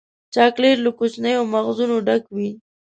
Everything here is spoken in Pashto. چاکلېټ له کوچنیو مغزونو ډک وي.